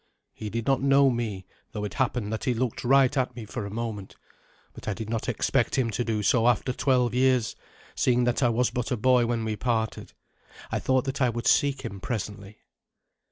He did not know me, though it happened that he looked right at me for a moment; but I did not expect him to do so after twelve years, seeing that I was but a boy when we parted. I thought that I would seek him presently.